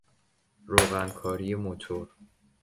روغن کاری موتور